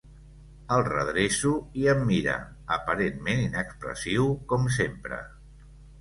El redreço i em mira, aparentment inexpressiu, com sempre.